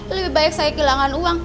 lebih baik saya kehilangan uang